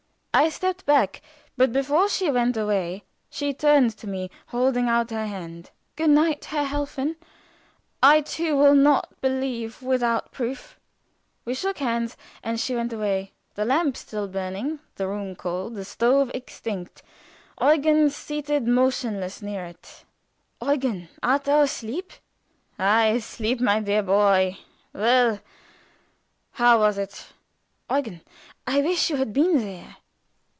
I stepped back, but before she went away she turned to me, holding out her hand: "Good night, Herr Helfen. I, too, will not believe without proof." We shook hands, and she went away. The lamp still burning, the room cold, the stove extinct. Eugen seated motionless near it. "Eugen, art thou asleep?" "I asleep, my dear boy! Well, how was it?" "Eugen, I wish you had been there."